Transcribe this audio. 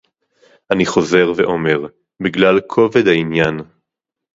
אני חוזר ואומר: בגלל כובד העניין